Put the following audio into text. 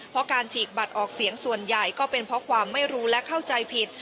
เพราะการฉีกบัตรออกเสียงส่วนใหญ่ก็เป็นเพราะความไม่รู้และเข้าใจผิด